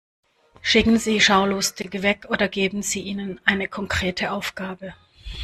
Schicken Sie Schaulustige weg oder geben Sie ihnen eine konkrete Aufgabe.